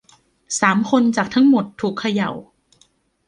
สามคนจากทั้งหมดถูกเขย่า